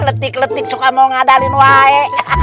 letik letik suka mau ngadalin wae